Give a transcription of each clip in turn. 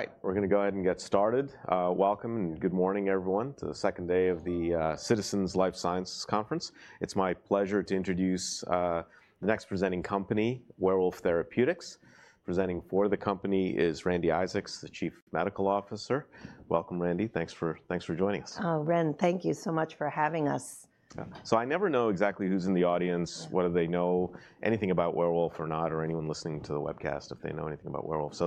All right, we're going to go ahead and get started. Welcome and good morning, everyone, to the second day of the Citizens Life Science Conference. It's my pleasure to introduce the next presenting company, Werewolf Therapeutics. Presenting for the company is Randi Isaacs, the Chief Medical Officer. Welcome, Randi. Thanks for joining us. Oh, Ren, thank you so much for having us. I never know exactly who's in the audience, whether they know anything about Werewolf or not, or anyone listening to the webcast, if they know anything about Werewolf.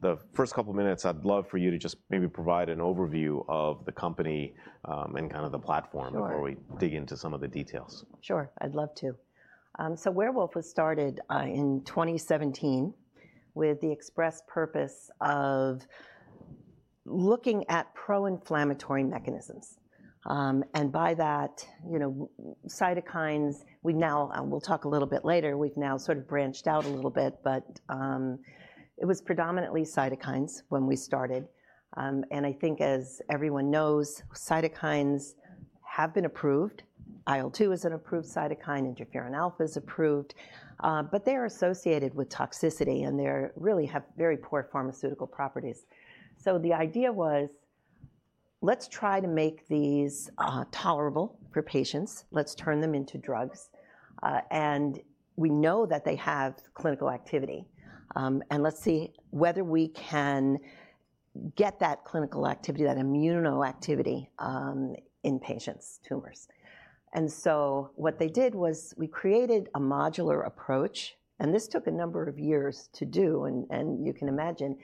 The first couple of minutes, I'd love for you to just maybe provide an overview of the company and kind of the platform before we dig into some of the details. Sure, I'd love to. Werewolf was started in 2017 with the express purpose of looking at pro-inflammatory mechanisms. And by that, you know, cytokines, we've now, we'll talk a little bit later, we've now sort of branched out a little bit, but it was predominantly cytokines when we started. I think, as everyone knows, cytokines have been approved. IL-2 is an approved cytokine, interferon alpha is approved, but they are associated with toxicity and they really have very poor pharmaceutical properties. The idea was, let's try to make these tolerable for patients. Let's turn them into drugs. We know that they have clinical activity. Let's see whether we can get that clinical activity, that immunoactivity in patients' tumors. What they did was we created a modular approach, and this took a number of years to do, and you can imagine,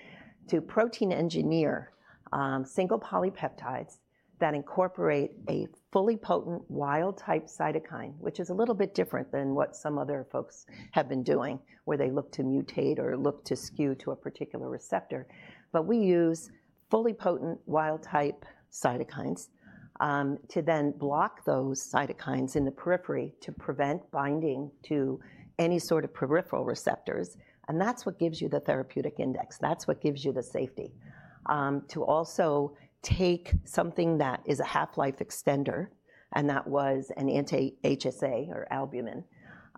to protein engineer single polypeptides that incorporate a fully potent wild-type cytokine, which is a little bit different than what some other folks have been doing, where they look to mutate or look to skew to a particular receptor. We use fully potent wild-type cytokines to then block those cytokines in the periphery to prevent binding to any sort of peripheral receptors. That is what gives you the therapeutic index. That is what gives you the safety. To also take something that is a half-life extender, and that was an Anti-HSA or albumin,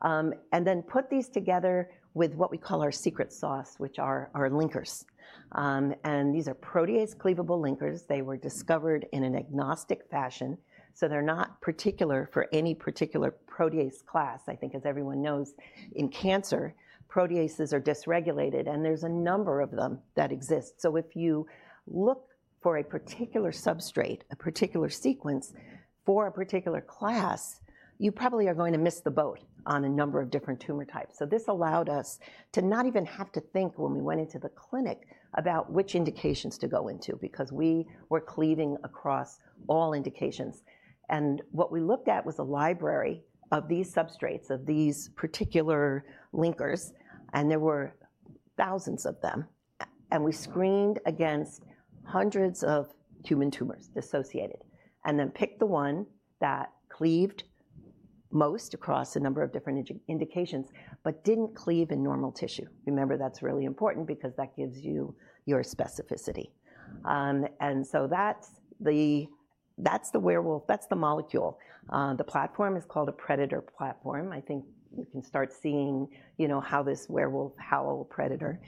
and then put these together with what we call our secret sauce, which are our linkers. These are protease cleavable linkers. They were discovered in an agnostic fashion. They're not particular for any particular protease class. I think, as everyone knows, in cancer, proteases are dysregulated, and there's a number of them that exist. If you look for a particular substrate, a particular sequence for a particular class, you probably are going to miss the boat on a number of different tumor types. This allowed us to not even have to think when we went into the clinic about which indications to go into, because we were cleaving across all indications. What we looked at was a library of these substrates, of these particular linkers, and there were thousands of them. We screened against hundreds of human tumors associated, and then picked the one that cleaved most across a number of different indications, but didn't cleave in normal tissue. Remember, that's really important because that gives you your specificity. That's the werewolf, that's the molecule. The platform is called a PREDATOR platform. I think you can start seeing, you know, how this werewolf, howl, predator.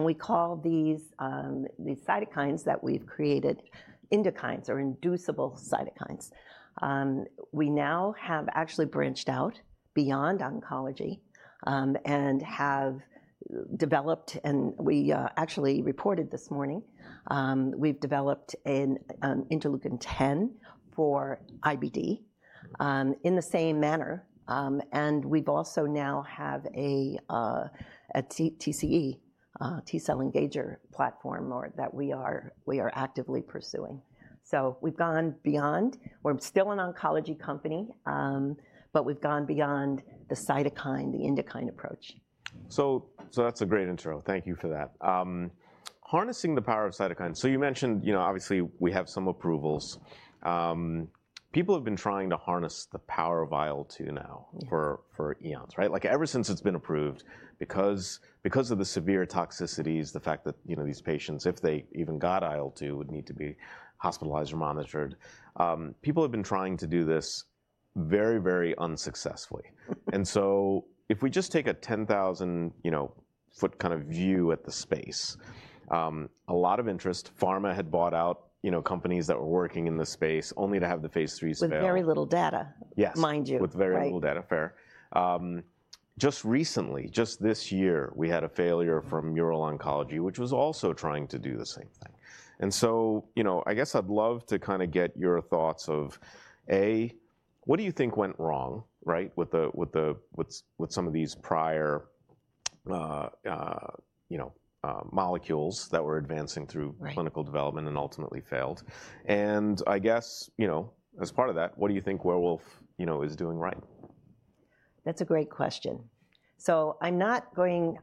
We call these cytokines that we've created endokines or inducible cytokines. We now have actually branched out beyond oncology and have developed, and we actually reported this morning, we've developed an Interleukin 10 for IBD in the same manner. We've also now have a TCE, T-Cell Engager platform that we are actively pursuing. We've gone beyond, we're still an oncology company, but we've gone beyond the cytokine, the endokine approach. That's a great intro. Thank you for that. Harnessing the power of cytokines. You mentioned, you know, obviously we have some approvals. People have been trying to harness the power of IL-2 now for years, right? Like ever since it's been approved, because of the severe toxicities, the fact that, you know, these patients, if they even got IL-2, would need to be hospitalized or monitored. People have been trying to do this very, very unsuccessfully. If we just take a 10,000-foot kind of view at the space, a lot of interest, pharma had bought out, you know, companies that were working in this space only to have the phase III spare. With very little data, mind you. Yes, with very little data, fair. Just recently, just this year, we had a failure from Mural Oncology, which was also trying to do the same thing. You know, I guess I'd love to kind of get your thoughts of, A, what do you think went wrong, right, with some of these prior, you know, molecules that were advancing through clinical development and ultimately failed? I guess, you know, as part of that, what do you think Werewolf, you know, is doing right? That's a great question. I'm not going,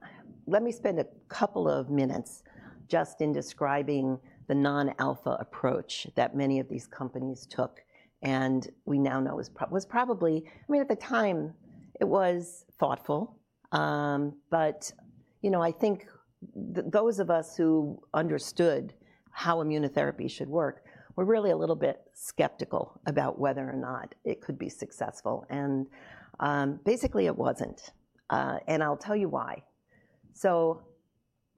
let me spend a couple of minutes just in describing the non-alpha approach that many of these companies took. We now know was probably, I mean, at the time it was thoughtful, but, you know, I think those of us who understood how immunotherapy should work were really a little bit skeptical about whether or not it could be successful. Basically it wasn't. I'll tell you why.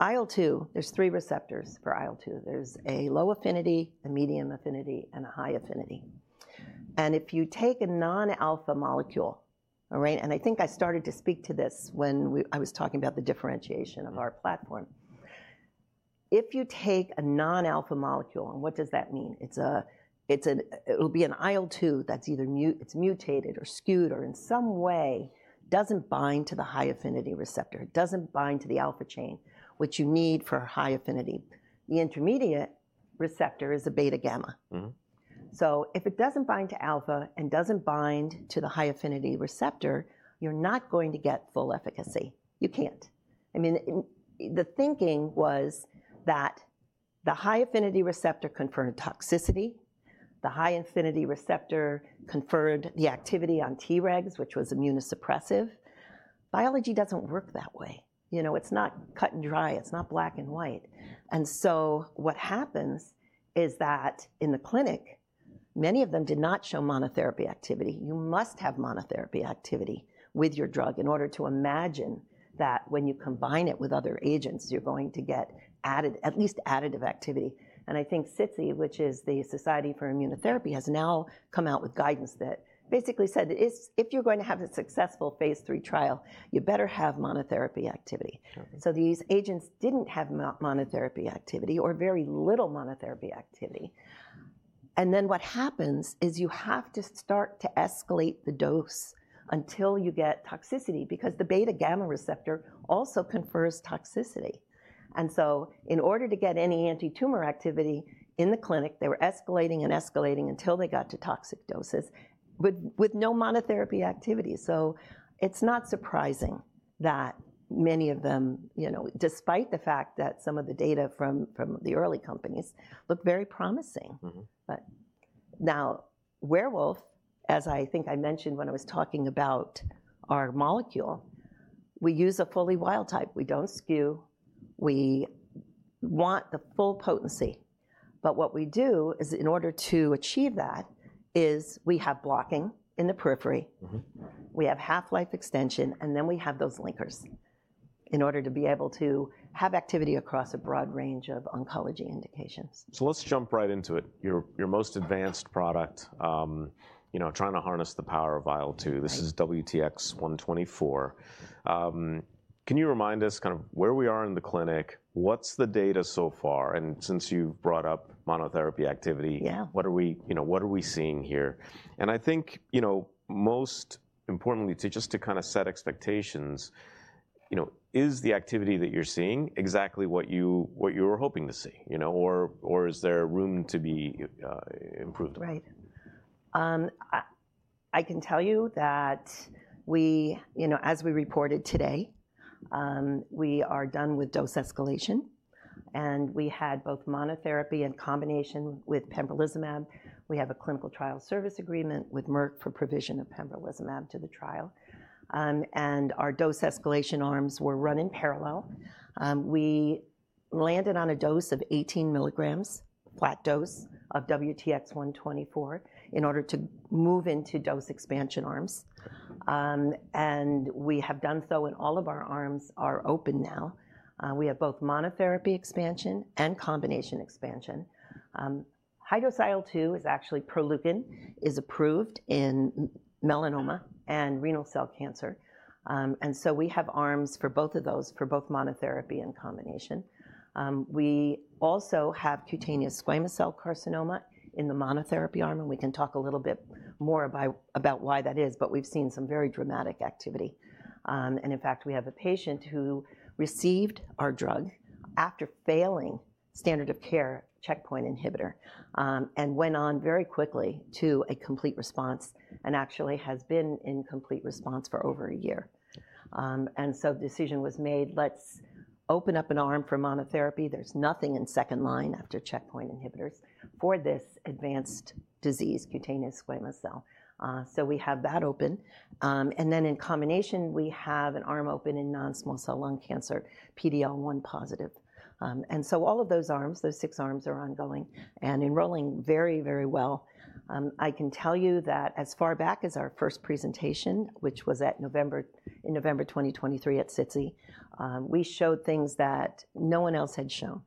IL-2, there's three receptors for IL-2. There's a low affinity, a medium affinity, and a high affinity. If you take a non-alpha molecule, all right, and I think I started to speak to this when I was talking about the differentiation of our platform. If you take a non-alpha molecule, and what does that mean? It'll be an IL-2 that's either mutated or skewed or in some way doesn't bind to the high affinity receptor, doesn't bind to the alpha chain, which you need for high affinity. The intermediate receptor is a beta gamma. If it doesn't bind to alpha and doesn't bind to the high affinity receptor, you're not going to get full efficacy. You can't. I mean, the thinking was that the high affinity receptor conferred toxicity, the high affinity receptor conferred the activity on Tregs, which was immunosuppressive. Biology doesn't work that way. You know, it's not cut and dry. It's not black and white. What happens is that in the clinic, many of them did not show monotherapy activity. You must have monotherapy activity with your drug in order to imagine that when you combine it with other agents, you're going to get added, at least additive activity. I think SITC, which is the Society for Immunotherapy, has now come out with guidance that basically said if you're going to have a successful phase three trial, you better have monotherapy activity. These agents didn't have monotherapy activity or very little monotherapy activity. What happens is you have to start to escalate the dose until you get toxicity because the beta gamma receptor also confers toxicity. In order to get any anti-tumor activity in the clinic, they were escalating and escalating until they got to toxic doses with no monotherapy activity. It is not surprising that many of them, you know, despite the fact that some of the data from the early companies look very promising. Now Werewolf, as I think I mentioned when I was talking about our molecule, we use a fully wild type. We don't skew. We want the full potency. What we do is in order to achieve that is we have blocking in the periphery, we have half-life extension, and then we have those linkers in order to be able to have activity across a broad range of oncology indications. Let's jump right into it. Your most advanced product, you know, trying to harness the power of IL-2. This is WTX-124. Can you remind us kind of where we are in the clinic? What's the data so far? And since you've brought up monotherapy activity, what are we, you know, what are we seeing here? I think, you know, most importantly, just to kind of set expectations, you know, is the activity that you're seeing exactly what you were hoping to see, you know, or is there room to be improved? Right. I can tell you that we, you know, as we reported today, we are done with dose escalation. We had both monotherapy in combination with Pembrolizumab. We have a clinical trial service agreement with Merck for provision of Pembrolizumab to the trial. Our dose escalation arms were run in parallel. We landed on a dose of 18 milligrams, flat dose of WTX-124 in order to move into dose expansion arms. We have done so and all of our arms are open now. We have both monotherapy expansion and combination expansion. IL-2 is actually Proleukin, is approved in melanoma and renal cell cancer. We have arms for both of those, for both monotherapy and combination. We also have cutaneous squamous cell carcinoma in the monotherapy arm. We can talk a little bit more about why that is, but we've seen some very dramatic activity. In fact, we have a patient who received our drug after failing standard of care checkpoint inhibitor and went on very quickly to a complete response and actually has been in complete response for over a year. The decision was made, let's open up an arm for monotherapy. There is nothing in second line after checkpoint inhibitors for this advanced disease, cutaneous squamous cell. We have that open. In combination, we have an arm open in non-small cell lung cancer, PD-L1 positive. All of those arms, those six arms, are ongoing and enrolling very, very well. I can tell you that as far back as our first presentation, which was in November 2023 at SITC, we showed things that no one else had shown.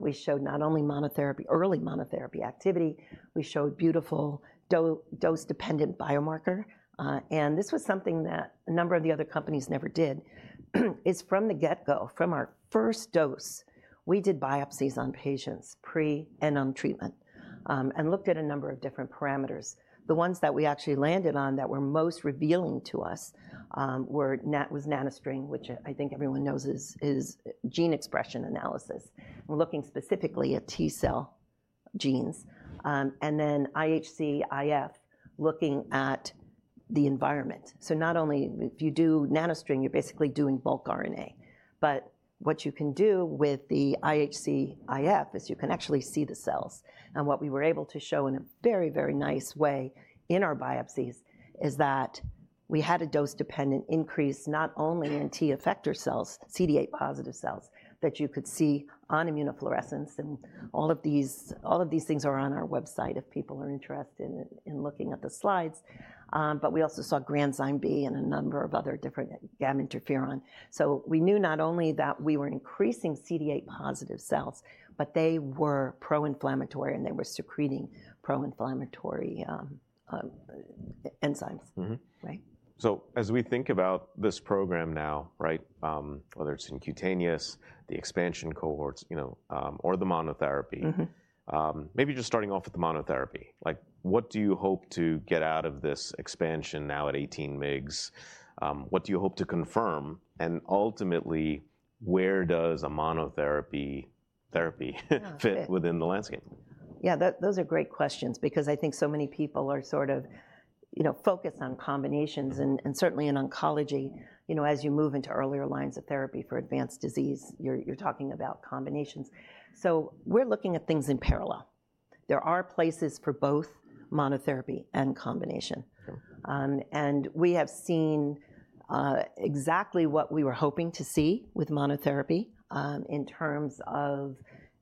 We showed not only monotherapy, early monotherapy activity, we showed beautiful dose-dependent biomarker. This was something that a number of the other companies never did. From the get-go, from our first dose, we did biopsies on patients pre and on treatment and looked at a number of different parameters. The ones that we actually landed on that were most revealing to us were nanostring, which I think everyone knows is gene expression analysis. We're looking specifically at T-Cell genes and then IHC-IF looking at the environment. Not only if you do nanostring, you're basically doing bulk RNA, but what you can do with the IHC-IF is you can actually see the cells. What we were able to show in a very, very nice way in our biopsies is that we had a dose-dependent increase not only in T-effector cells, CD8+ cells that you could see on immunofluorescence. All of these things are on our website if people are interested in looking at the slides. We also saw Granzyme B and a number of other different gamma interferon. We knew not only that we were increasing CD8+ cells, but they were pro-inflammatory and they were secreting pro-inflammatory enzymes, right? As we think about this program now, right, whether it's in cutaneous, the expansion cohorts, you know, or the monotherapy, maybe just starting off with the monotherapy, like what do you hope to get out of this expansion now at 18 mg? What do you hope to confirm? Ultimately, where does a monotherapy therapy fit within the landscape? Yeah, those are great questions because I think so many people are sort of, you know, focused on combinations and certainly in oncology, you know, as you move into earlier lines of therapy for advanced disease, you're talking about combinations. We are looking at things in parallel. There are places for both monotherapy and combination. We have seen exactly what we were hoping to see with monotherapy in terms of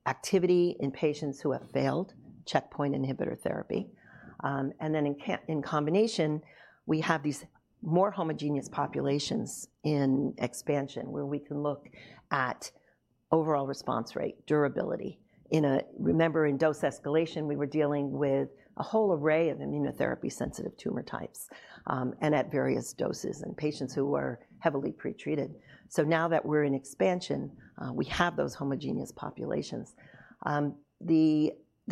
activity in patients who have failed checkpoint inhibitor therapy. In combination, we have these more homogeneous populations in expansion where we can look at overall response rate, durability. In a, remember in dose escalation, we were dealing with a whole array of immunotherapy sensitive tumor types and at various doses and patients who were heavily pretreated. Now that we're in expansion, we have those homogeneous populations. This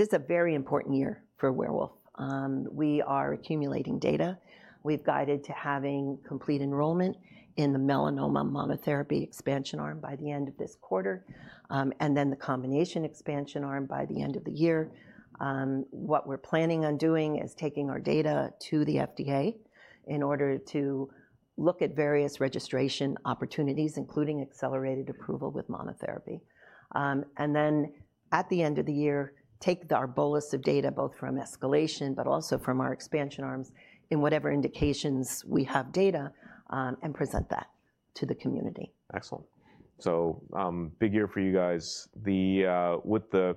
is a very important year for Werewolf. We are accumulating data. We've guided to having complete enrollment in the melanoma monotherapy expansion arm by the end of this quarter and the combination expansion arm by the end of the year. What we're planning on doing is taking our data to the FDA in order to look at various registration opportunities, including accelerated approval with monotherapy. At the end of the year, take our bolus of data both from escalation, but also from our expansion arms in whatever indications we have data and present that to the community. Excellent. Big year for you guys. With the,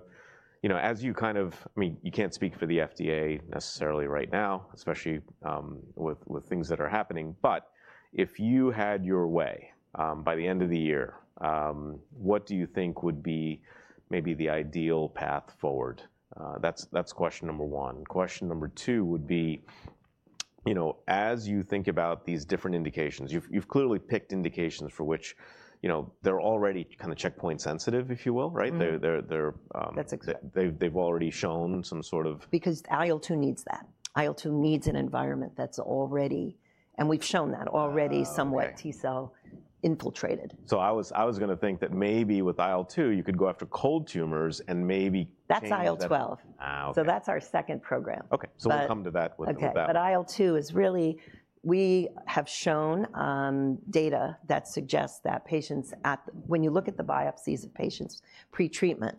you know, as you kind of, I mean, you can't speak for the FDA necessarily right now, especially with things that are happening, but if you had your way by the end of the year, what do you think would be maybe the ideal path forward? That's question number one. Question number two would be, you know, as you think about these different indications, you've clearly picked indications for which, you know, they're already kind of checkpoint sensitive, if you will, right? That's exactly right. They've already shown some sort of. Because IL-2 needs that. IL-2 needs an environment that's already, and we've shown that, already somewhat T-Cell infiltrated. I was going to think that maybe with IL-2, you could go after cold tumors and maybe. That's IL-12. That's our second program. Okay. We'll come to that with that. IL-2 is really, we have shown data that suggests that patients at, when you look at the biopsies of patients pretreatment,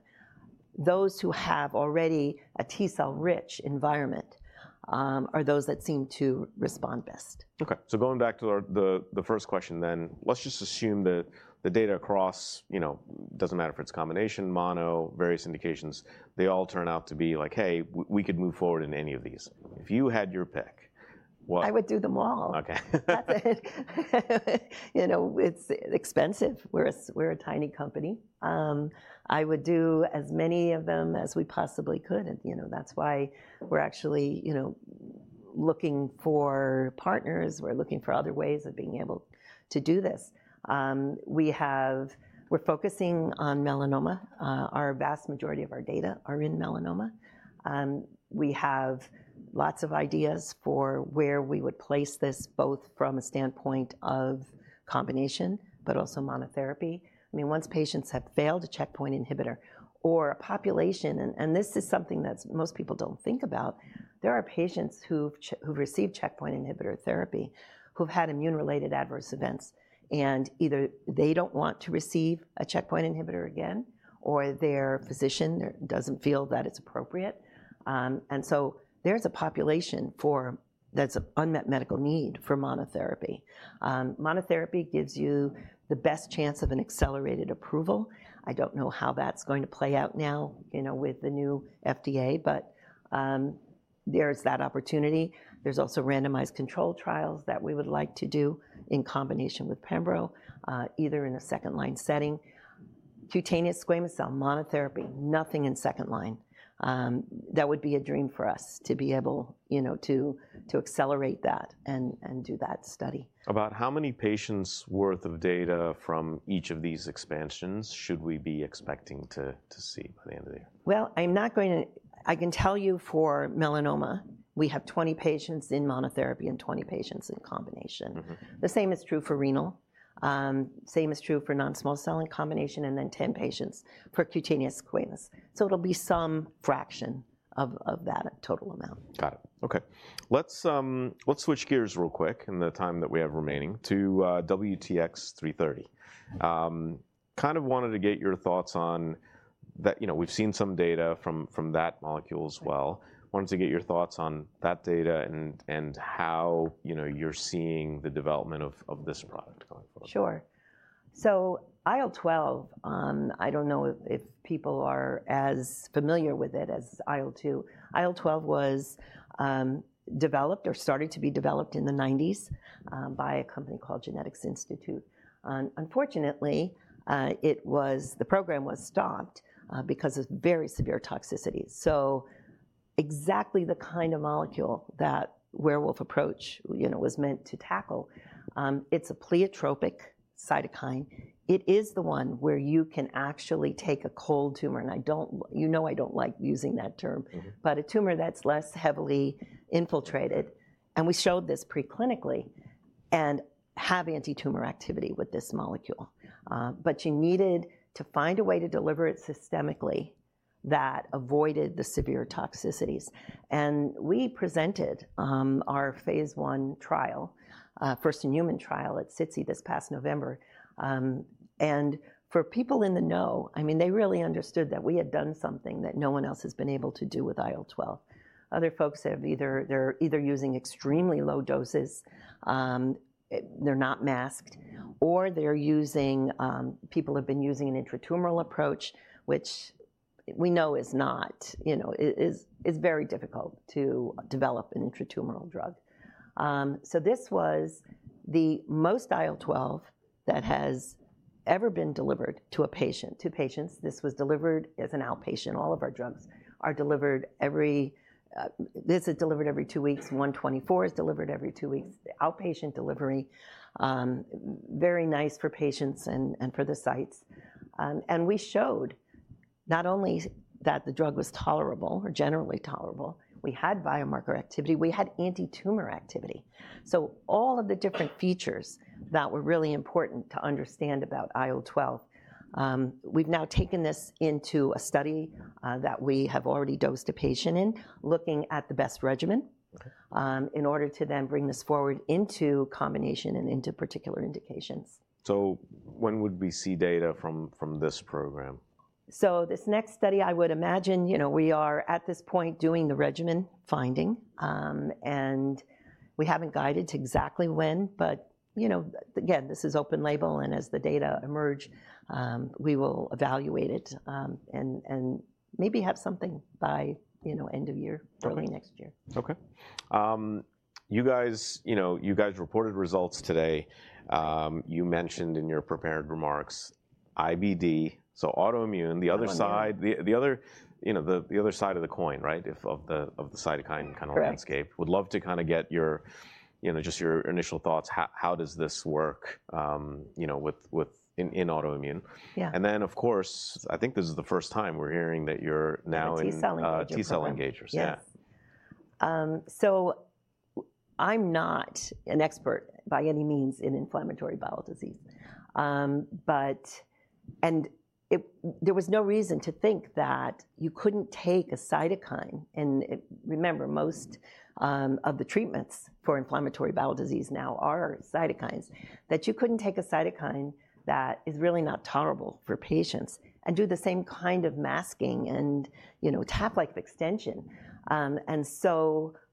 those who have already a T-Cell rich environment are those that seem to respond best. Okay. Going back to the first question then, let's just assume that the data across, you know, doesn't matter if it's combination, mono, various indications, they all turn out to be like, hey, we could move forward in any of these. If you had your pick, what? I would do them all. You know, it's expensive. We're a tiny company. I would do as many of them as we possibly could. You know, that's why we're actually, you know, looking for partners. We're looking for other ways of being able to do this. We have, we're focusing on melanoma. The vast majority of our data are in melanoma. We have lots of ideas for where we would place this both from a standpoint of combination, but also monotherapy. I mean, once patients have failed a checkpoint inhibitor or a population, and this is something that most people don't think about, there are patients who've received checkpoint inhibitor therapy who've had immune-related adverse events and either they don't want to receive a checkpoint inhibitor again or their physician doesn't feel that it's appropriate. There's a population for that's an unmet medical need for monotherapy. Monotherapy gives you the best chance of an accelerated approval. I don't know how that's going to play out now, you know, with the new FDA, but there's that opportunity. There's also randomized control trials that we would like to do in combination with Pembro, either in a second line setting. Cutaneous squamous cell monotherapy, nothing in second line. That would be a dream for us to be able, you know, to accelerate that and do that study. About how many patients' worth of data from each of these expansions should we be expecting to see by the end of the year? I'm not going to, I can tell you for melanoma, we have 20 patients in monotherapy and 20 patients in combination. The same is true for renal. Same is true for non-small cell in combination and then 10 patients for cutaneous squamous. It'll be some fraction of that total amount. Got it. Okay. Let's switch gears real quick in the time that we have remaining to WTX-330. Kind of wanted to get your thoughts on that, you know, we've seen some data from that molecule as well. Wanted to get your thoughts on that data and how, you know, you're seeing the development of this product going forward. Sure. IL-12, I don't know if people are as familiar with it as IL-2. IL-12 was developed or started to be developed in the 1990s by a company called Genetics Institute. Unfortunately, it was, the program was stopped because of very severe toxicity. Exactly the kind of molecule that Werewolf approach, you know, was meant to tackle, it's a pleiotropic cytokine. It is the one where you can actually take a cold tumor and I don't, you know, I don't like using that term, but a tumor that's less heavily infiltrated. We showed this preclinically and have anti-tumor activity with this molecule. You needed to find a way to deliver it systemically that avoided the severe toxicities. We presented our phase one trial, first in human trial at SITC this past November. For people in the know, I mean, they really understood that we had done something that no one else has been able to do with IL-12. Other folks have either, they're either using extremely low doses, they're not masked, or they're using, people have been using an intratumoral approach, which we know is not, you know, is very difficult to develop an intratumoral drug. This was the most IL-12 that has ever been delivered to a patient, two patients. This was delivered as an outpatient. All of our drugs are delivered every, this is delivered every two weeks. 124 is delivered every two weeks. Outpatient delivery, very nice for patients and for the sites. We showed not only that the drug was tolerable or generally tolerable, we had biomarker activity, we had anti-tumor activity. All of the different features that were really important to understand about IL-12, we've now taken this into a study that we have already dosed a patient in, looking at the best regimen in order to then bring this forward into combination and into particular indications. When would we see data from this program? This next study, I would imagine, you know, we are at this point doing the regimen finding and we have not guided to exactly when, but you know, again, this is open label and as the data emerge, we will evaluate it and maybe have something by, you know, end of year, early next year. Okay. You guys, you know, you guys reported results today. You mentioned in your prepared remarks, IBD, so autoimmune, the other side, the other, you know, the other side of the coin, right? Of the cytokine kind of landscape. Would love to kind of get your, you know, just your initial thoughts. How does this work, you know, with, in autoimmune? And then of course, I think this is the first time we're hearing that you're now in. T-Cell Engagers. T-Cell Engagers, yeah. I'm not an expert by any means in inflammatory bowel disease, but, and there was no reason to think that you couldn't take a cytokine. And remember, most of the treatments for inflammatory bowel disease now are cytokines, that you couldn't take a cytokine that is really not tolerable for patients and do the same kind of masking and, you know, TAF-like extension.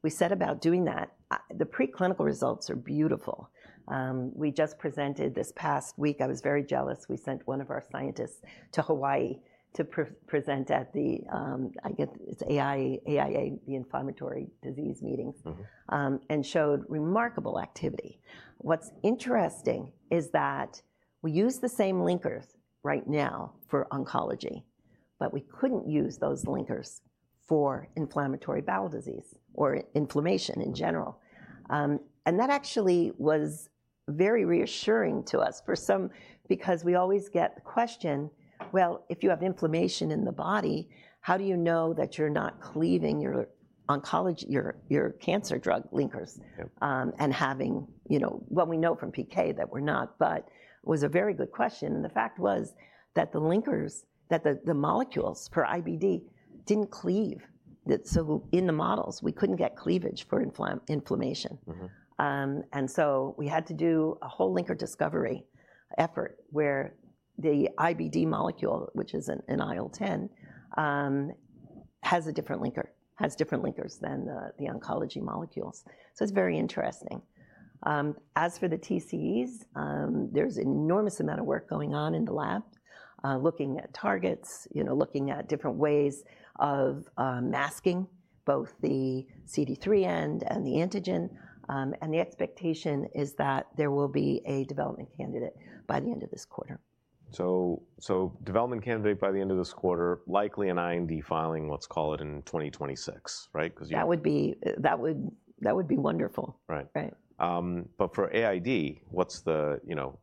We set about doing that. The preclinical results are beautiful. We just presented this past week. I was very jealous. We sent one of our scientists to Hawaii to present at the, I guess it's AIA, the inflammatory disease meetings and showed remarkable activity. What's interesting is that we use the same linkers right now for oncology, but we couldn't use those linkers for inflammatory bowel disease or inflammation in general. That actually was very reassuring to us for some, because we always get the question, if you have inflammation in the body, how do you know that you're not cleaving your oncology, your cancer drug linkers and having, you know, what we know from PK that we're not, but it was a very good question. The fact was that the linkers, that the molecules for IBD did not cleave. In the models, we could not get cleavage for inflammation. We had to do a whole linker discovery effort where the IBD molecule, which is an IL-10, has a different linker, has different linkers than the oncology molecules. It is very interesting. As for the TCEs, there is an enormous amount of work going on in the lab, looking at targets, you know, looking at different ways of masking both the CD3 end and the antigen. The expectation is that there will be a development candidate by the end of this quarter. Development candidate by the end of this quarter, likely an IND filing, let's call it in 2026, right? That would be wonderful. Right. But for AID, what's the, you know.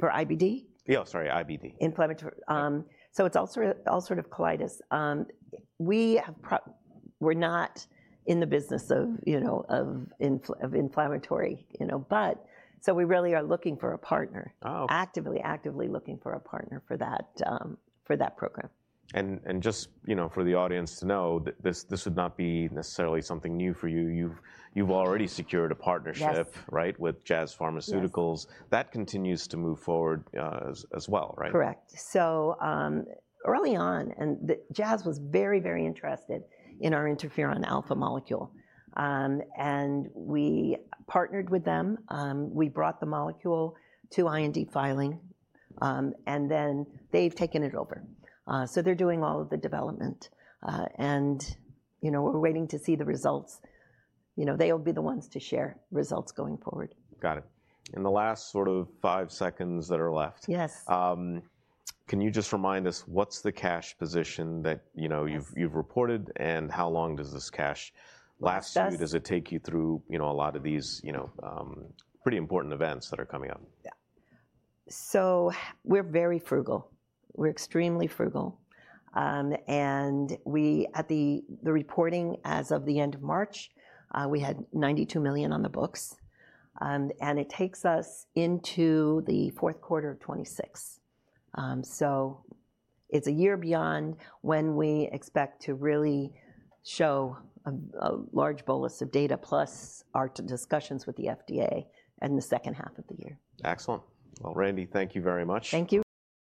For IBD? Yeah, sorry, IBD. Inflammatory. It's all sort of colitis. We're not in the business of, you know, of inflammatory, you know, but we really are looking for a partner, actively, actively looking for a partner for that, for that program. Just, you know, for the audience to know, this would not be necessarily something new for you. You've already secured a partnership, right, with Jazz Pharmaceuticals. That continues to move forward as well, right? Correct. Early on, Jazz was very, very interested in our interferon alpha molecule. We partnered with them. We brought the molecule to IND filing, and then they've taken it over. They're doing all of the development. You know, we're waiting to see the results. You know, they'll be the ones to share results going forward. Got it. In the last sort of five seconds that are left. Yes. Can you just remind us what's the cash position that, you know, you've reported and how long does this cash last you? Does it take you through, you know, a lot of these, you know, pretty important events that are coming up? Yeah. We're very frugal. We're extremely frugal. At the reporting as of the end of March, we had $92 million on the books. It takes us into the fourth quarter of 2026. It's a year beyond when we expect to really show a large bolus of data, plus our discussions with the FDA and the second half of the year. Excellent. Randi, thank you very much. Thank you.